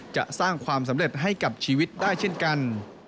จะสร้างความสำเร็จให้กับชีวิตได้เช่นกัน